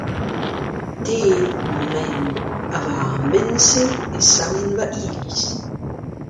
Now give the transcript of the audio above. Te eo Maen, ha war ar Maen-se e savin va Iliz.